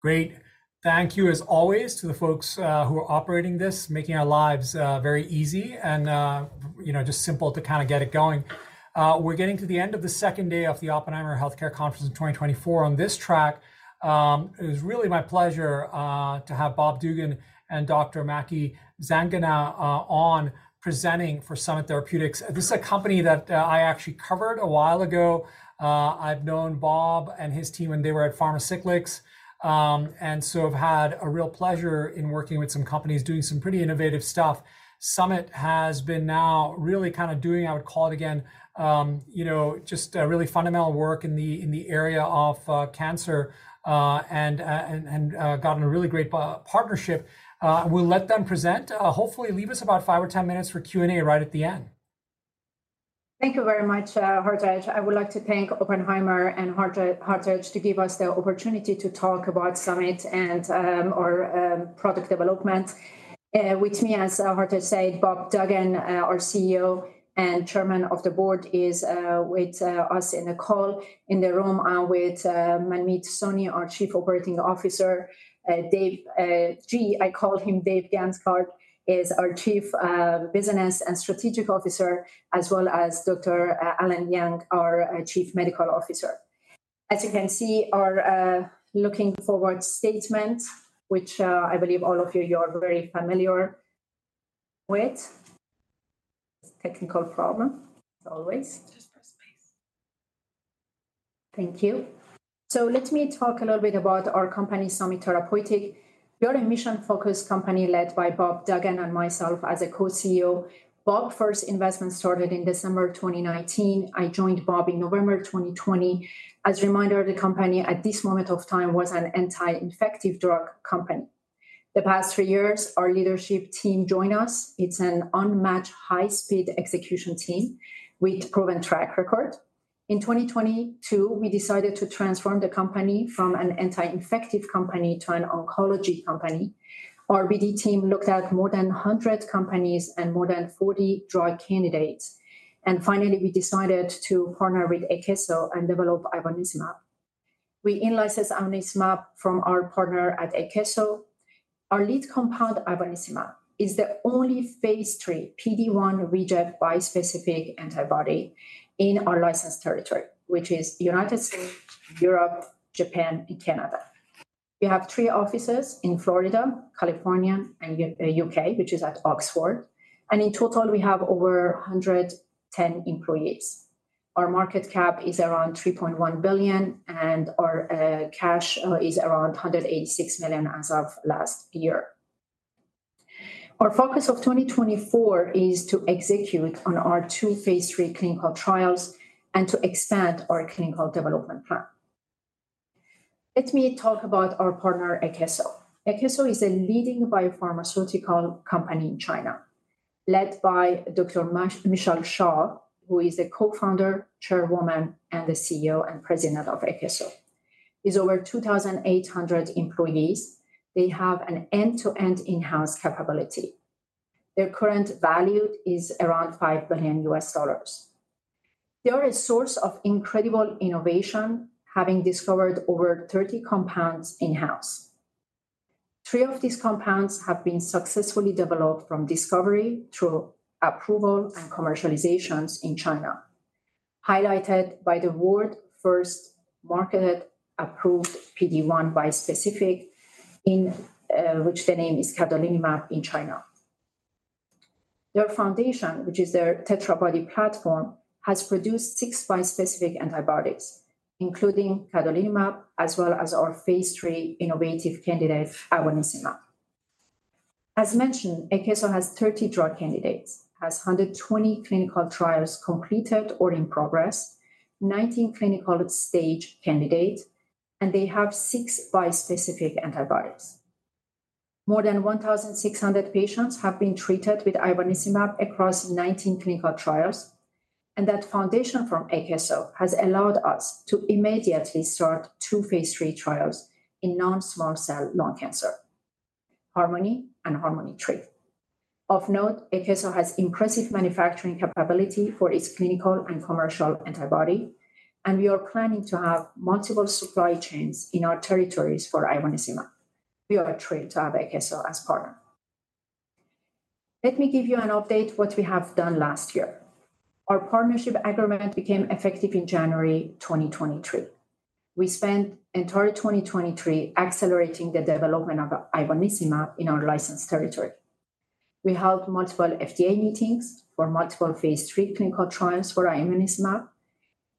Great. Thank you, as always, to the folks who are operating this, making our lives very easy and, you know, just simple to kind of get it going. We're getting to the end of the second day of the Oppenheimer Healthcare Conference in 2024. On this track, it is really my pleasure to have Bob Duggan and Dr. Maky Zanganeh are presenting for Summit Therapeutics. This is a company that I actually covered a while ago. I've known Bob and his team when they were at Pharmacyclics, and so have had a real pleasure in working with some companies doing some pretty innovative stuff. Summit has been now really kind of doing, I would call it again, you know, just really fundamental work in the area of cancer, and gotten a really great partnership. We'll let them present, hopefully leave us about five or 10 minutes for Q&A right at the end. Thank you very much, Hartaj. I would like to thank Oppenheimer and Hartaj to give us the opportunity to talk about Summit and our product development. With me, as Hartaj said, Bob Duggan, our CEO and Chairman of the Board, is with us on the call. In the room with Manmeet Soni, our Chief Operating Officer, Dave G.—I call him Dave Gancarz—is our Chief Business and Strategic Officer, as well as Dr. Allen Yang, our Chief Medical Officer. As you can see, our looking-forward statement, which I believe all of you are very familiar with. Technical problem, as always. Thank you. So let me talk a little bit about our company, Summit Therapeutics. We are a mission-focused company led by Bob Duggan and myself as a co-CEO. Bob's first investment started in December 2019. I joined Bob in November 2020. As a reminder, the company at this moment of time was an anti-infective drug company. The past three years, our leadership team joined us. It's an unmatched high-speed execution team with a proven track record. In 2022, we decided to transform the company from an anti-infective company to an oncology company. Our BD team looked at more than 100 companies and more than 40 drug candidates. And finally, we decided to partner with Akeso and develop ivonescimab. We in-licensed ivonescimab from our partner at Akeso. Our lead compound, ivonescimab, is the only phase III PD-1/VEGF bispecific antibody in our licensed territory, which is the United States, Europe, Japan, and Canada. We have three offices in Florida, California, and U.K., which is at Oxford. In total, we have over 110 employees. Our market cap is around $3.1 billion, and our cash is around $186 million as of last year. Our focus of 2024 is to execute on our two phase III clinical trials and to expand our clinical development plan. Let me talk about our partner, Akeso. Akeso is a leading biopharmaceutical company in China, led by Dr. Michelle Xia, who is the co-founder, chairwoman, and the CEO and president of Akeso. It has over 2,800 employees. They have an end-to-end in-house capability. Their current value is around $5 billion. They are a source of incredible innovation, having discovered over 30 compounds in-house. Three of these compounds have been successfully developed from discovery through approval and commercialization in China, highlighted by the world's first marketed approved PD-1 bispecific, in which the name is cadonilimab in China. Their foundation, which is their Tetrabody platform, has produced six bispecific antibodies, including cadonilimab, as well as our phase III innovative candidate, ivonescimab. As mentioned, Akeso has 30 drug candidates, has 120 clinical trials completed or in progress, 19 clinical stage candidates, and they have six bispecific antibodies. More than 1,600 patients have been treated with ivonescimab across 19 clinical trials, and that foundation from Akeso has allowed us to immediately start two phase III trials in non-small cell lung cancer, HARMONi and HARMONi-3. Of note, Akeso has impressive manufacturing capability for its clinical and commercial antibody, and we are planning to have multiple supply chains in our territories for ivonescimab. We are thrilled to have Akeso as partner. Let me give you an update on what we have done last year. Our partnership agreement became effective in January 2023. We spent entire year 2023 accelerating the development of ivonescimab in our licensed territory. We held multiple FDA meetings for multiple phase III clinical trials for ivonescimab.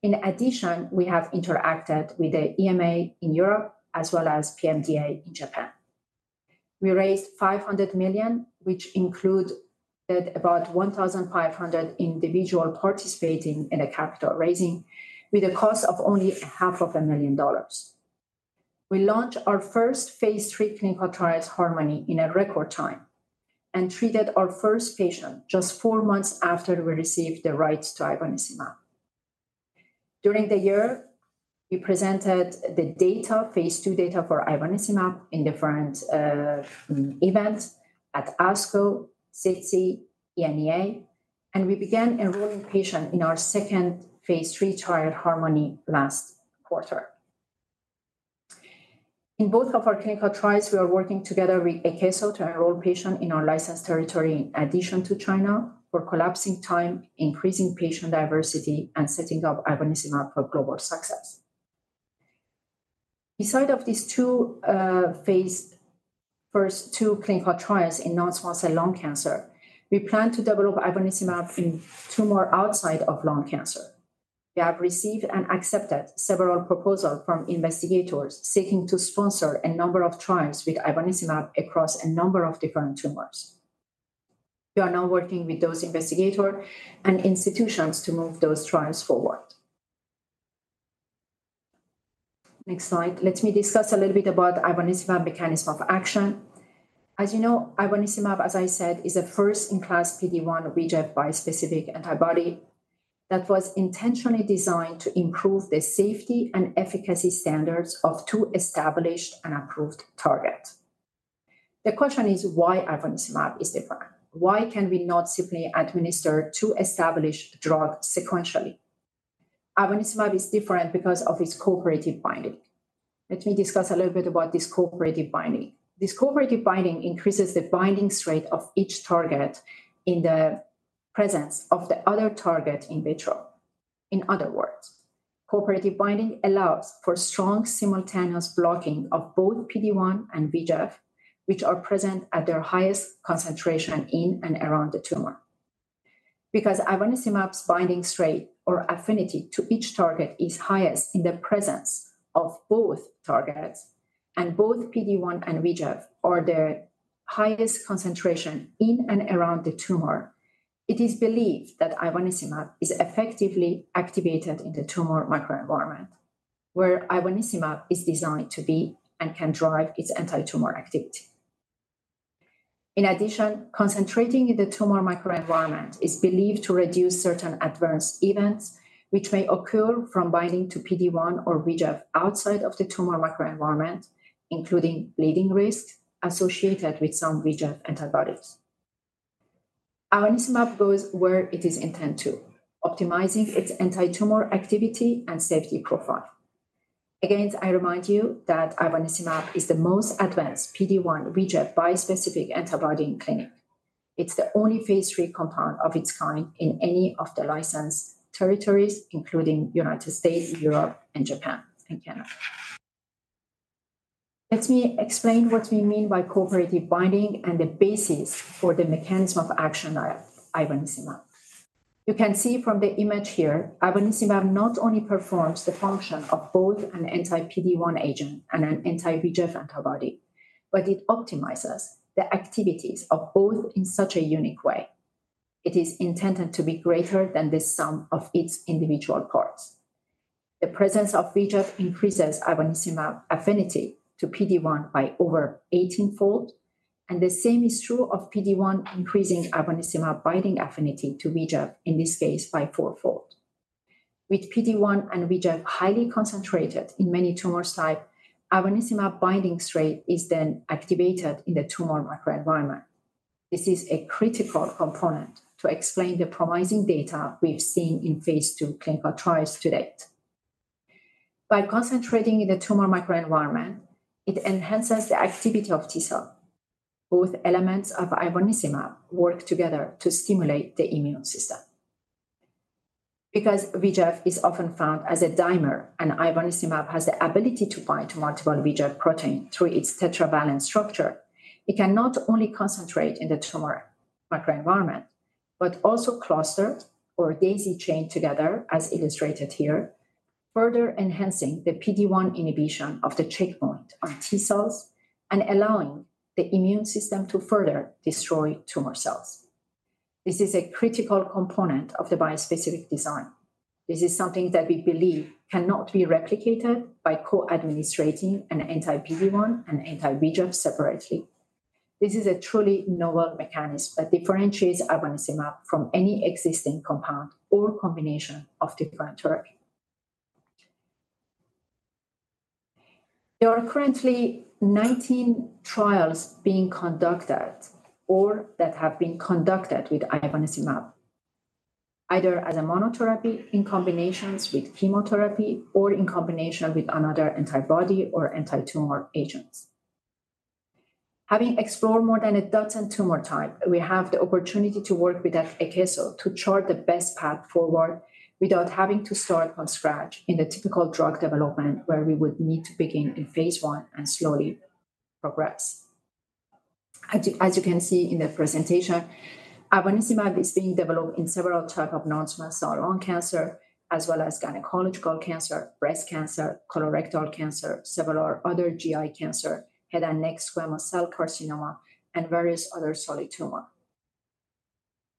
In addition, we have interacted with the EMA in Europe, as well as PMDA in Japan. We raised $500 million, which included about 1,500 individuals participating in a capital raising with a cost of only $500,000. We launched our first phase III clinical trials, HARMONi, in a record time and treated our first patient just four months after we received the rights to ivonescimab. During the year, we presented the data, phase II data for ivonescimab, in different events at ASCO, SITC, ESMO, and we began enrolling patients in our second phase III trial, HARMONi, last quarter. In both of our clinical trials, we are working together with Akeso to enroll patients in our licensed territory, in addition to China, for collapsing time, increasing patient diversity, and setting up ivonescimab for global success. Besides these two phase, first two clinical trials in non-small cell lung cancer, we plan to develop ivonescimab in tumors outside of lung cancer. We have received and accepted several proposals from investigators seeking to sponsor a number of trials with ivonescimab across a number of different tumors. We are now working with those investigators and institutions to move those trials forward. Next slide. Let me discuss a little bit about ivonescimab's mechanism of action. As you know, ivonescimab, as I said, is a first-in-class PD-1 VEGF bispecific antibody that was intentionally designed to improve the safety and efficacy standards of two established and approved targets. The question is, why ivonescimab is different? Why can we not simply administer two established drugs sequentially? Ivonescimab is different because of its cooperative binding. Let me discuss a little bit about this cooperative binding. This cooperative binding increases the binding strength of each target in the presence of the other target in vitro. In other words, cooperative binding allows for strong simultaneous blocking of both PD-1 and VEGF, which are present at their highest concentration in and around the tumor. Because ivonescimab's binding strength or affinity to each target is highest in the presence of both targets and both PD-1 and VEGF are their highest concentration in and around the tumor, it is believed that ivonescimab is effectively activated in the tumor microenvironment, where ivonescimab is designed to be and can drive its anti-tumor activity. In addition, concentrating in the tumor microenvironment is believed to reduce certain adverse events, which may occur from binding to PD-1 or VEGF outside of the tumor microenvironment, including bleeding risk associated with some VEGF antibodies. Ivonescimab goes where it is intended to, optimizing its anti-tumor activity and safety profile. Again, I remind you that ivonescimab is the most advanced PD-1 VEGF bispecific antibody in clinic. It's the only phase III compound of its kind in any of the licensed territories, including the United States, Europe, Japan, and Canada. Let me explain what we mean by cooperative binding and the basis for the mechanism of action of ivonescimab. You can see from the image here, ivonescimab not only performs the function of both an anti-PD-1 agent and an anti-VEGF antibody, but it optimizes the activities of both in such a unique way. It is intended to be greater than the sum of its individual parts. The presence of VEGF increases ivonescimab's affinity to PD-1 by over 18-fold, and the same is true of PD-1 increasing ivonescimab's binding affinity to VEGF, in this case, by four-fold. With PD-1 and VEGF highly concentrated in many tumor types, ivonescimab's binding strength is then activated in the tumor microenvironment. This is a critical component to explain the promising data we've seen in phase II clinical trials to date. By concentrating in the tumor microenvironment, it enhances the activity of T cells. Both elements of ivonescimab work together to stimulate the immune system. Because VEGF is often found as a dimer and ivonescimab has the ability to bind to multiple VEGF proteins through its tetravalent structure, it can not only concentrate in the tumor microenvironment but also cluster or daisy-chain together, as illustrated here, further enhancing the PD-1 inhibition of the checkpoint on T cells and allowing the immune system to further destroy tumor cells. This is a critical component of the bispecific design. This is something that we believe cannot be replicated by co-administering an anti-PD-1 and anti-VEGF separately. This is a truly novel mechanism that differentiates ivonescimab from any existing compound or combination of different drugs. There are currently 19 trials being conducted or that have been conducted with ivonescimab, either as a monotherapy in combination with chemotherapy or in combination with another antibody or anti-tumor agents. Having explored more than a dozen tumor types, we have the opportunity to work with Akeso to chart the best path forward without having to start from scratch in the typical drug development where we would need to begin in phase I and slowly progress. As you can see in the presentation, ivonescimab is being developed in several types of non-small cell lung cancer, as well as gynecological cancer, breast cancer, colorectal cancer, several other GI cancers, head and neck squamous cell carcinoma, and various other solid tumors.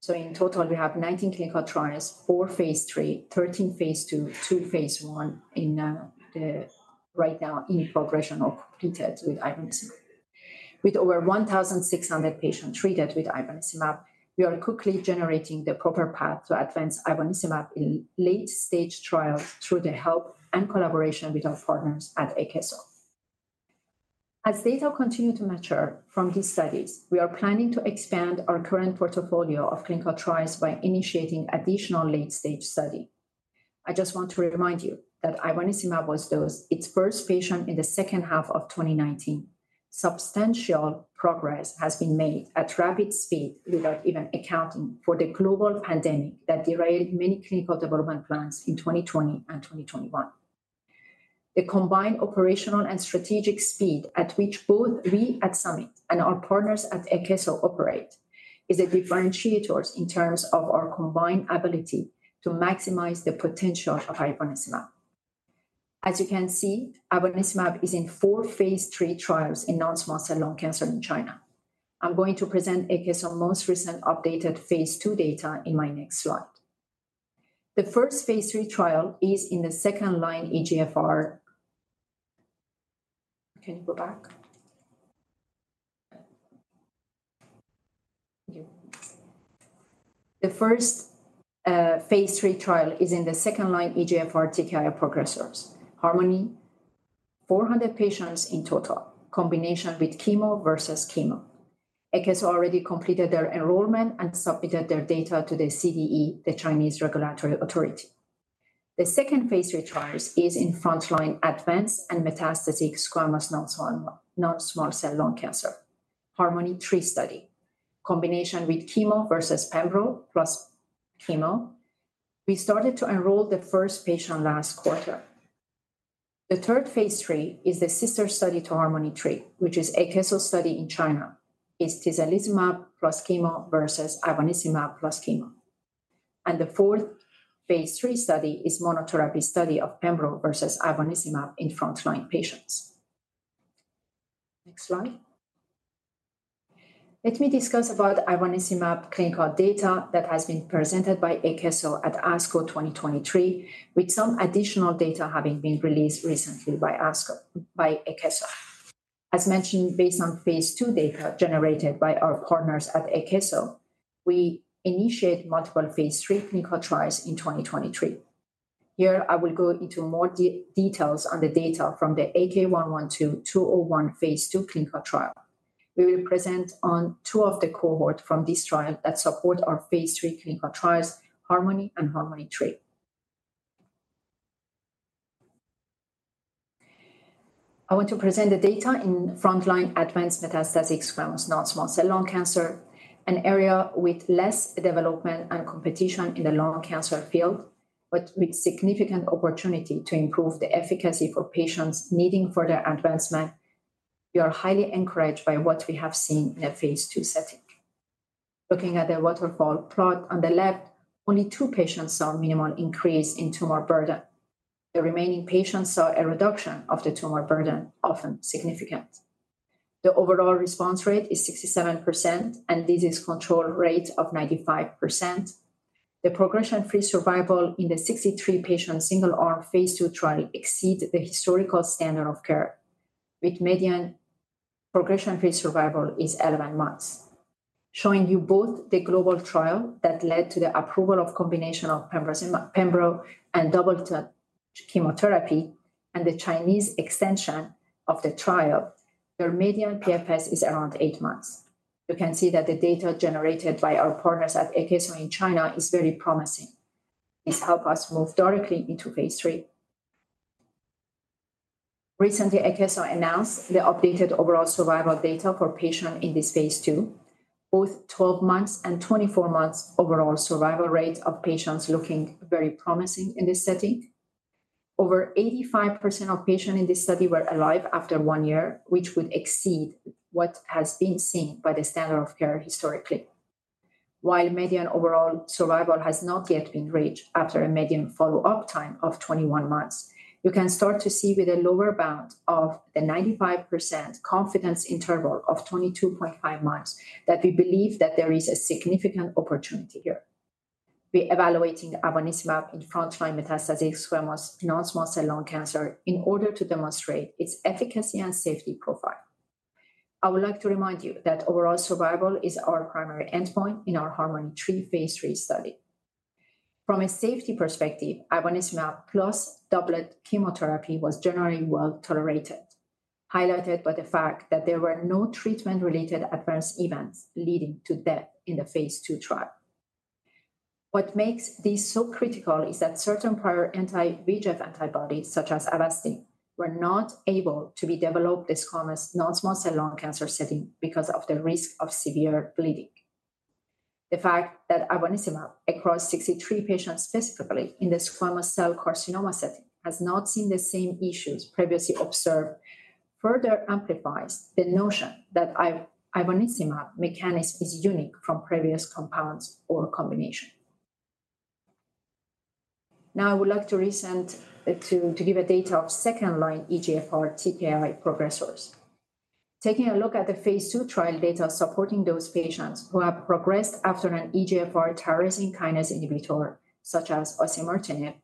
So in total, we have 19 clinical trials, 4 phase III, 13 phase II, 2 phase I, right now in progression or completed with ivonescimab. With over 1,600 patients treated with ivonescimab, we are quickly generating the proper path to advance ivonescimab in late-stage trials through the help and collaboration with our partners at Akeso. As data continue to mature from these studies, we are planning to expand our current portfolio of clinical trials by initiating additional late-stage studies. I just want to remind you that ivonescimab was dosed its first patient in the second half of 2019. Substantial progress has been made at rapid speed without even accounting for the global pandemic that derailed many clinical development plans in 2020 and 2021. The combined operational and strategic speed at which both we at Summit and our partners at Akeso operate is a differentiator in terms of our combined ability to maximize the potential of ivonescimab. As you can see, ivonescimab is in four phase III trials in non-small cell lung cancer in China. I'm going to present Akeso's most recent updated phase II data in my next slide. The first phase III trial is in the second-line EGFR. Can you go back? Thank you. The first phase III trial is in the second-line EGFR TKI progressors, HARMONi, 400 patients in total, combination with chemo versus chemo. Akeso already completed their enrollment and submitted their data to the CDE, the Chinese Regulatory Authority. The second phase III trial is in frontline advanced and metastatic squamous non-small cell lung cancer, HARMONi-3 study, combination with chemo versus pembrolizumab plus chemo. We started to enroll the first patient last quarter. The third phase III is the sister study to HARMONi-3, which is Akeso's study in China, is tislelizumab plus chemo versus ivonescimab plus chemo. The fourth phase III study is a monotherapy study of pembrolizumab versus ivonescimab in frontline patients. Next slide. Let me discuss about ivonescimab clinical data that has been presented by Akeso at ASCO 2023, with some additional data having been released recently by ASCO, by Akeso. As mentioned, based on phase II data generated by our partners at Akeso, we initiated multiple phase III clinical trials in 2023. Here, I will go into more details on the data from the AK112-201 phase II clinical trial. We will present on two of the cohorts from this trial that support our phase III clinical trials, HARMONi and HARMONi-3. I want to present the data in frontline advanced metastatic squamous non-small cell lung cancer, an area with less development and competition in the lung cancer field, but with significant opportunity to improve the efficacy for patients needing further advancement. We are highly encouraged by what we have seen in a phase II setting. Looking at the waterfall plot on the left, only two patients saw a minimal increase in tumor burden. The remaining patients saw a reduction of the tumor burden, often significant. The overall response rate is 67%, and disease control rate of 95%. The progression-free survival in the 63-patient single-arm phase II trial exceeds the historical standard of care, with median progression-free survival being 11 months. Showing you both the global trial that led to the approval of a combination of pembrolizumab and doublet chemotherapy and the Chinese extension of the trial, their median PFS is around 8 months. You can see that the data generated by our partners at Akeso in China is very promising. This helped us move directly into phase III. Recently, Akeso announced the updated overall survival data for patients in this phase II, both 12 months and 24 months overall survival rates of patients looking very promising in this setting. Over 85% of patients in this study were alive after 1 year, which would exceed what has been seen by the standard of care historically. While median overall survival has not yet been reached after a median follow-up time of 21 months, you can start to see with a lower bound of the 95% confidence interval of 22.5 months that we believe that there is a significant opportunity here. We are evaluating ivonescimab in frontline metastatic squamous non-small cell lung cancer in order to demonstrate its efficacy and safety profile. I would like to remind you that overall survival is our primary endpoint in our HARMONi-3 phase III study. From a safety perspective, ivonescimab plus doublet chemotherapy was generally well tolerated, highlighted by the fact that there were no treatment-related adverse events leading to death in the phase II trial. What makes this so critical is that certain prior anti-angiogenic antibodies, such as Avastin, were not able to be developed in this squamous non-small cell lung cancer setting because of the risk of severe bleeding. The fact that ivonescimab, across 63 patients specifically in the squamous cell carcinoma setting, has not seen the same issues previously observed further amplifies the notion that ivonescimab mechanism is unique from previous compounds or combinations. Now, I would like to present the data on second-line EGFR TKI progressors. Taking a look at the phase II trial data supporting those patients who have progressed after an EGFR tyrosine kinase inhibitor, such as osimertinib,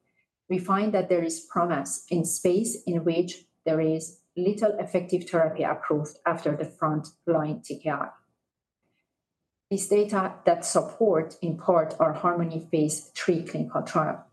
we find that there is promise in this space in which there is little effective therapy approved after the front-line TKI. This data supports, in part, our HARMONi phase III clinical trial.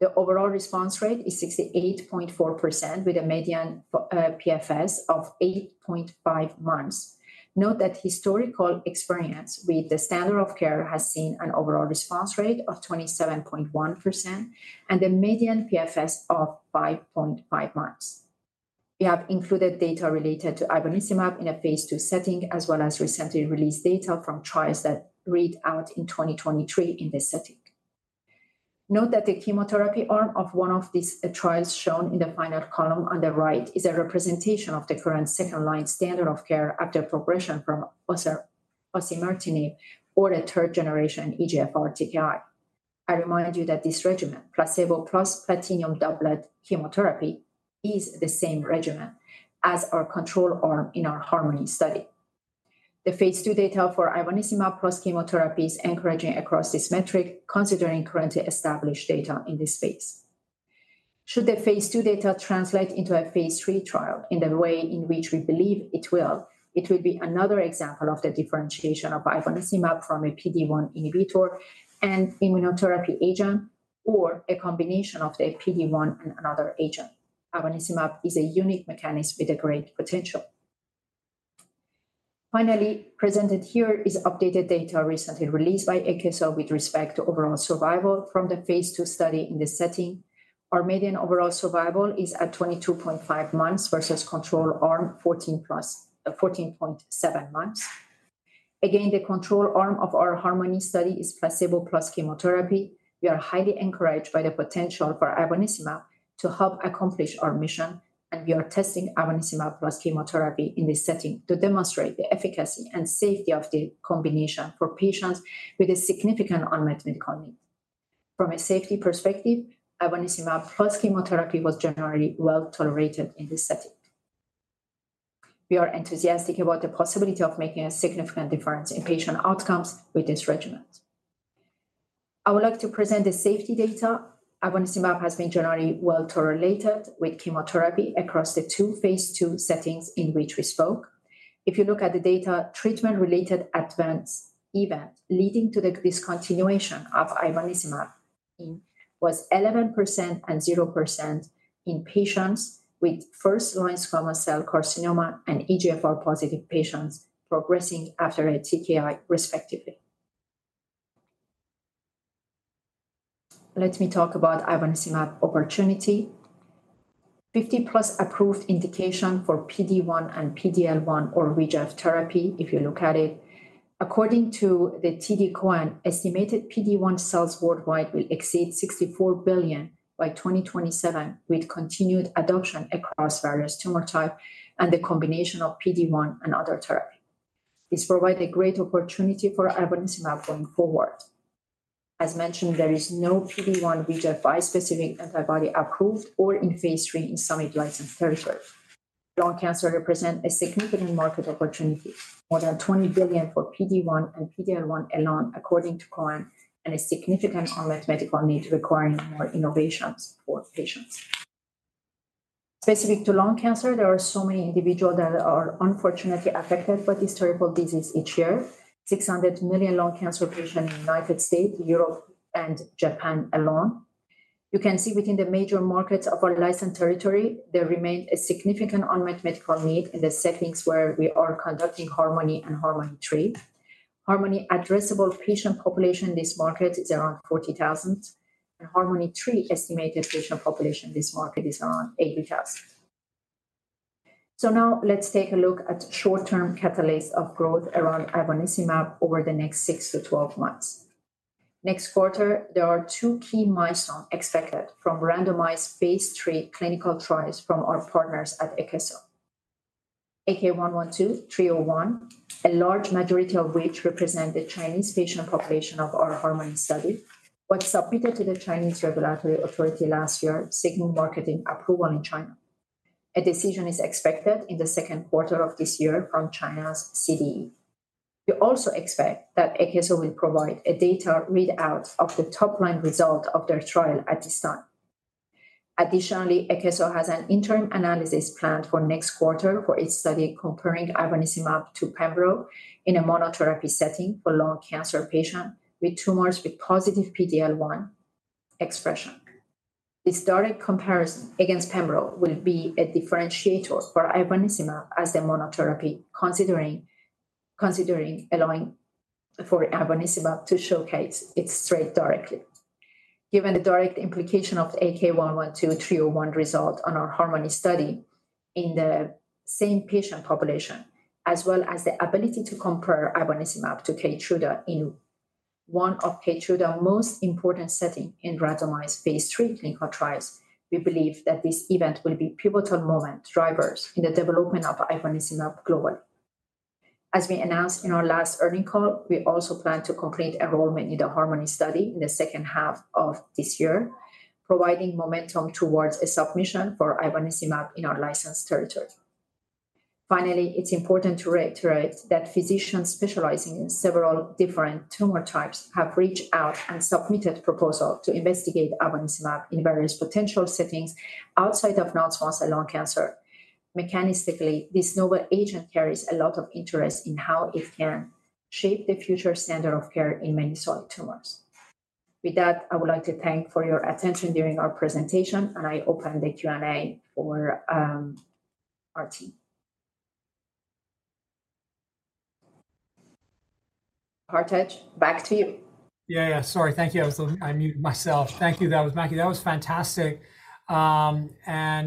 The overall response rate is 68.4%, with a median PFS of 8.5 months. Note that historical experience with the standard of care has seen an overall response rate of 27.1% and a median PFS of 5.5 months. We have included data related to ivonescimab in a phase II setting, as well as recently released data from trials that read out in 2023 in this setting. Note that the chemotherapy arm of one of these trials shown in the final column on the right is a representation of the current second-line standard of care after progression from osimertinib or a third-generation EGFR TKI. I remind you that this regimen, placebo plus platinum-doublet chemotherapy, is the same regimen as our control arm in our HARMONi study. The phase II data for ivonescimab plus chemotherapy is encouraging across this metric, considering currently established data in this space. Should the phase II data translate into a phase III trial in the way in which we believe it will, it will be another example of the differentiation of ivonescimab from a PD-1 inhibitor and immunotherapy agent, or a combination of the PD-1 and another agent. Ivonescimab is a unique mechanism with great potential. Finally, presented here is updated data recently released by Akeso with respect to overall survival from the phase II study in this setting. Our median overall survival is at 22.5 months versus control arm 14.7 months. Again, the control arm of our HARMONi study is placebo plus chemotherapy. We are highly encouraged by the potential for ivonescimab to help accomplish our mission, and we are testing ivonescimab plus chemotherapy in this setting to demonstrate the efficacy and safety of the combination for patients with a significant unmet medical need. From a safety perspective, ivonescimab plus chemotherapy was generally well tolerated in this setting. We are enthusiastic about the possibility of making a significant difference in patient outcomes with this regimen. I would like to present the safety data. Ivonescimab has been generally well tolerated with chemotherapy across the two phase II settings in which we spoke. If you look at the data, treatment-related adverse events leading to the discontinuation of ivonescimab was 11% and 0% in patients with first-line squamous cell carcinoma and EGFR-positive patients progressing after a TKI, respectively. Let me talk about ivonescimab opportunity. 50+ approved indications for PD-1 and PD-L1 checkpoint therapy, if you look at it. According to TD Cowen, estimated PD-1 sales worldwide will exceed $64 billion by 2027 with continued adoption across various tumor types and the combination of PD-1 and other therapies. This provides a great opportunity for ivonescimab going forward. As mentioned, there is no PD-1/VEGF-specific antibody approved or in phase III in Summit's licensed territory. Lung cancer represents a significant market opportunity, more than $20 billion for PD-1 and PD-L1 alone, according to Cowen, and a significant unmet medical need requiring more innovations for patients. Specific to lung cancer, there are so many individuals that are unfortunately affected by this terrible disease each year, 600,000 annual cases of lung cancer patients in the United States, Europe, and Japan alone. You can see within the major markets of our licensed territory, there remains a significant unmet medical need in the settings where we are conducting HARMONi and HARMONi-3. HARMONi addressable patient population in this market is around 40,000, and HARMONi-3 estimated patient population in this market is around 80,000. So now, let's take a look at short-term catalysts of growth around ivonescimab over the next six to 12 months. Next quarter, there are two key milestones expected from randomized phase III clinical trials from our partners at Akeso. AK112-301, a large majority of which represent the Chinese patient population of our HARMONi study, was submitted to the Chinese Regulatory Authority last year, signaling marketing approval in China. A decision is expected in the second quarter of this year from China's CDE. We also expect that Akeso will provide a data readout of the top-line result of their trial at this time. Additionally, Akeso has an interim analysis planned for next quarter for its study comparing ivonescimab to pembrolizumab in a monotherapy setting for lung cancer patients with tumors with positive PD-L1 expression. This direct comparison against pembrolizumab will be a differentiator for ivonescimab as a monotherapy, considering allowing for ivonescimab to showcase its trait directly. Given the direct implication of the AK112-301 result on our HARMONi study in the same patient population, as well as the ability to compare ivonescimab to Keytruda in one of Keytruda's most important settings in randomized phase III clinical trials, we believe that this event will be pivotal drivers in the development of ivonescimab globally. As we announced in our last earnings call, we also plan to complete enrollment in the HARMONi study in the second half of this year, providing momentum towards a submission for ivonescimab in our licensed territory. Finally, it's important to reiterate that physicians specializing in several different tumor types have reached out and submitted proposals to investigate ivonescimab in various potential settings outside of non-small cell lung cancer. Mechanistically, this novel agent carries a lot of interest in how it can shape the future standard of care in many solid tumors. With that, I would like to thank you for your attention during our presentation, and I open the Q&A for our team. Hartaj, back to you. Yeah, yeah, sorry, thank you. I was looking. I muted myself. Thank you, that was, Maky, that was fantastic. And,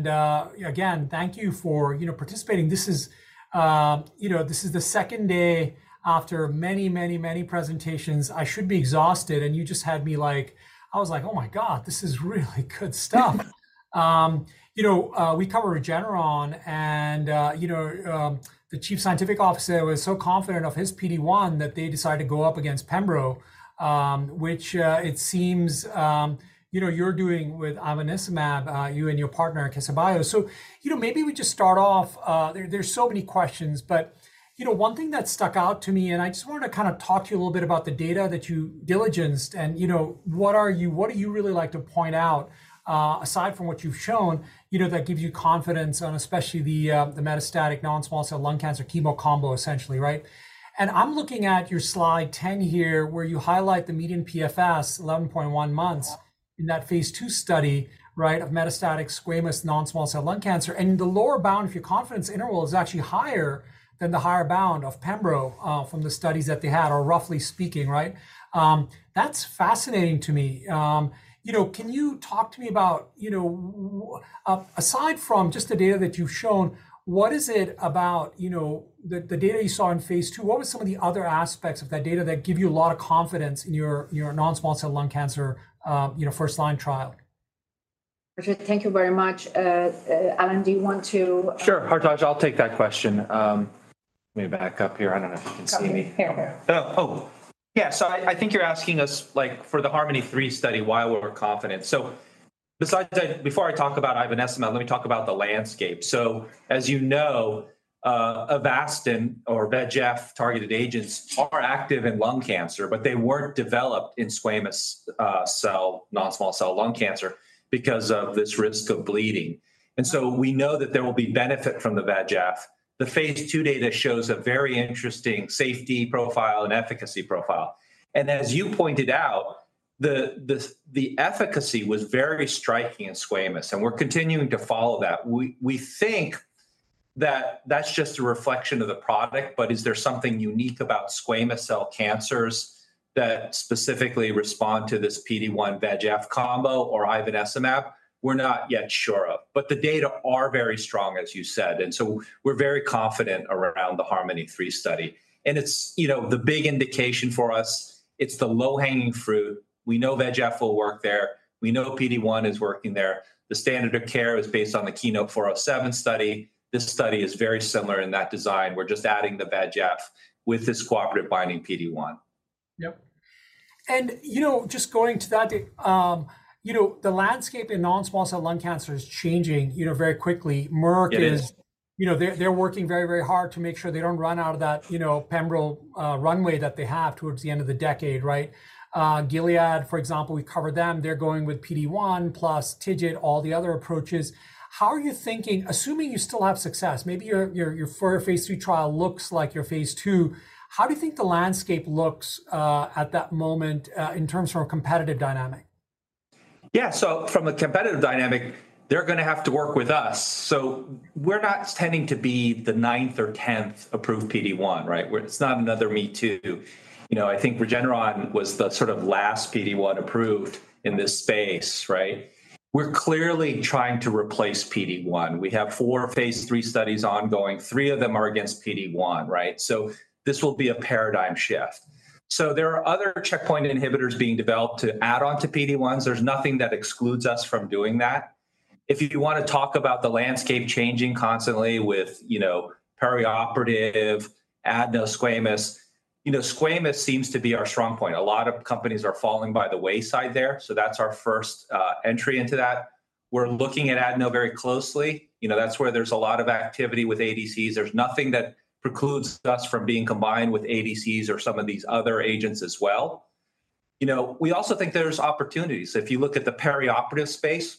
again, thank you for, you know, participating. This is, you know, this is the second day after many, many, many presentations. I should be exhausted, and you just had me, like, I was like, "Oh my God, this is really good stuff." You know, we cover Regeneron, and, you know, the Chief Scientific Officer was so confident of his PD-1 that they decided to go up against pembrolizumab, which, it seems, you know, you're doing with ivonescimab, you and your partner, Akeso. You know, maybe we just start off, there's so many questions, but, you know, one thing that stuck out to me, and I just wanted to kind of talk to you a little bit about the data that you diligenced, and, you know, what do you really like to point out, aside from what you've shown, you know, that gives you confidence on especially the metastatic non-small cell lung cancer chemo combo, essentially, right? And I'm looking at your slide 10 here, where you highlight the median PFS, 11.1 months, in that phase II study, right, of metastatic squamous non-small cell lung cancer, and the lower bound of your confidence interval is actually higher than the higher bound of pembrolizumab, from the studies that they had, or roughly speaking, right? That's fascinating to me. You know, can you talk to me about, you know, aside from just the data that you've shown, what is it about, you know, the data you saw in phase II, what were some of the other aspects of that data that give you a lot of confidence in your non-small cell lung cancer, you know, first-line trial? Hartaj, thank you very much. Allen, do you want to? Sure, Hartaj, I'll take that question. Let me back up here. I don't know if you can see me. Okay, here. Oh, yeah, so I think you're asking us, like, for the HARMONi-3 study, why we're confident. So, besides that, before I talk about ivonescimab, let me talk about the landscape. So, as you know, Avastin or VEGF targeted agents are active in lung cancer, but they weren't developed in squamous cell, non-small cell lung cancer because of this risk of bleeding. And so we know that there will be benefit from the VEGF. The phase II data shows a very interesting safety profile and efficacy profile. And as you pointed out, the efficacy was very striking in squamous, and we're continuing to follow that. We think that that's just a reflection of the product, but is there something unique about squamous cell cancers that specifically respond to this PD-1 VEGF combo or ivonescimab? We're not yet sure of. But the data are very strong, as you said, and so we're very confident around the HARMONi-3 study. And it's, you know, the big indication for us, it's the low-hanging fruit. We know VEGF will work there. We know PD-1 is working there. The standard of care is based on the KEYNOTE-407 study. This study is very similar in that design. We're just adding the VEGF with this cooperative binding PD-1. Yep. And, you know, just going to that, you know, the landscape in non-small cell lung cancer is changing, you know, very quickly. Merck is, you know, they're working very, very hard to make sure they don't run out of that, you know, pembrolizumab runway that they have towards the end of the decade, right? Gilead, for example, we covered them. They're going with PD-1 plus TIGIT, all the other approaches. How are you thinking, assuming you still have success, maybe your first phase III trial looks like your phase II, how do you think the landscape looks at that moment in terms of a competitive dynamic? Yeah, so from a competitive dynamic, they're going to have to work with us. So we're not tending to be the ninth or tenth approved PD-1, right? It's not another me too. You know, I think Regeneron was the sort of last PD-1 approved in this space, right? We're clearly trying to replace PD-1. We have four phase III studies ongoing. Three of them are against PD-1, right? So this will be a paradigm shift. So there are other checkpoint inhibitors being developed to add on to PD-1s. There's nothing that excludes us from doing that. If you want to talk about the landscape changing constantly with, you know, perioperative, adenosquamous, you know, squamous seems to be our strong point. A lot of companies are falling by the wayside there, so that's our first entry into that. We're looking at adeno very closely. You know, that's where there's a lot of activity with ADCs. There's nothing that precludes us from being combined with ADCs or some of these other agents as well. You know, we also think there's opportunities. If you look at the perioperative space,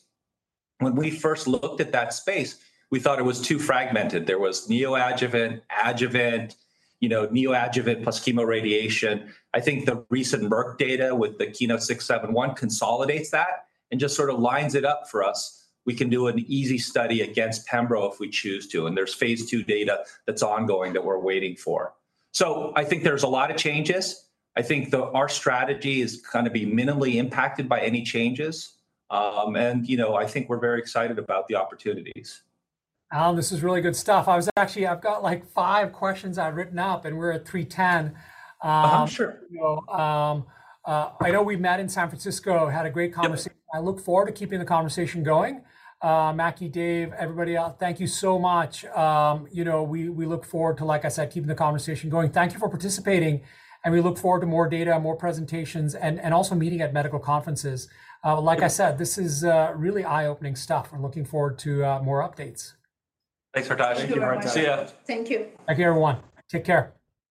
when we first looked at that space, we thought it was too fragmented. There was neoadjuvant, adjuvant, you know, neoadjuvant plus chemoradiation. I think the recent Merck data with the KEYNOTE-671 consolidates that and just sort of lines it up for us. We can do an easy study against pembrolizumab if we choose to, and there's phase II data that's ongoing that we're waiting for. So I think there's a lot of changes. I think our strategy is going to be minimally impacted by any changes. And, you know, I think we're very excited about the opportunities. Alan, this is really good stuff. I was actually, I've got, like, five questions I've written up, and we're at 3:10 P.M. Sure. You know, I know we met in San Francisco, had a great conversation. I look forward to keeping the conversation going. Manmeet, Dave, everybody out, thank you so much. You know, we look forward to, like I said, keeping the conversation going. Thank you for participating, and we look forward to more data, more presentations, and also meeting at medical conferences. Like I said, this is really eye-opening stuff. We're looking forward to more updates. Thanks, Hartaj. Thank you, Maky. See you. Thank you. Thank you, everyone. Take care.